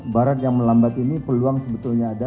barat yang melambat ini peluang sebetulnya ada